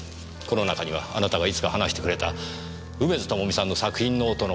この中にはあなたがいつか話してくれた梅津朋美さんの作品ノートの構想